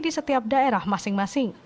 di setiap daerah masing masing